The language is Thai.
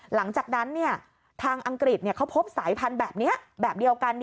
หลังจากนั้นทางอังกฤษเขาพบสายพันธุ์แบบนี้แบบเดียวกัน